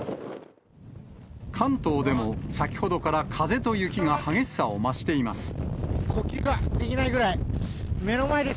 関東でも先ほどから風と雪が激しさを増しています。